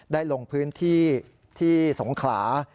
ลงพื้นที่ที่สงขลา